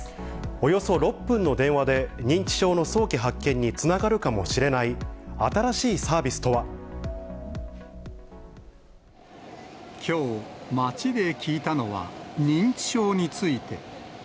およそ６分の電話で、認知症の早期発見につながるかもしれない、きょう、街で聞いたのは認知症について。